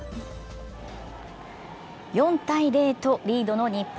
４−０とリードの日本。